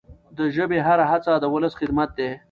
د ژبي هره هڅه د ولس خدمت دی.